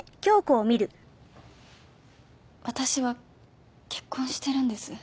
私は結婚してるんです。